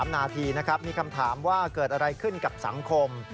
๓นาทีนะครับมีคำถามว่าเกิดอะไรขึ้นกับสังคม